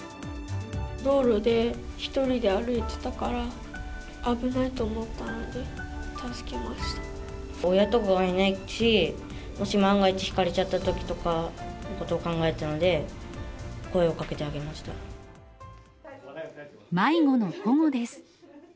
道路で１人で歩いてたから、親とかがいないし、もし万が一、ひかれちゃったときとかのことを考えたので、声をかけてあげまし迷子の保護です。